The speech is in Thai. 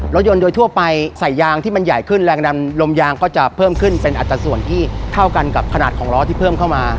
รถยนต์โดยทั่วไปใส่ยางที่มันใหญ่ขึ้นแรงดันลมยางก็จะเพิ่มขึ้นเป็นอัตรส่วนที่เท่ากันกับขนาดของล้อที่เพิ่มเข้ามา